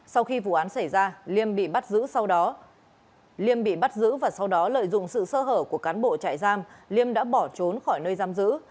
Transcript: sau khi vụ án xảy ra liêm bị bắt giữ và sau đó lợi dụng sự sơ hở của cán bộ chạy giam liêm đã bỏ trốn khỏi nơi giam giữ